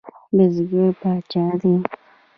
بزګر پاچا دی؟